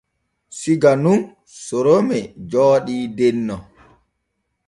Siga nun Sorome jooɗii denno.